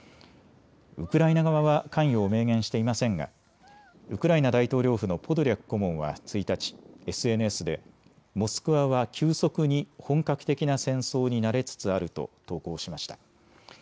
ウクライナ側は関与を明言していませんがウクライナ大統領府のポドリャク顧問は１日、ＳＮＳでモスクワは急速に本格的な戦争に慣れつつあると投稿しました。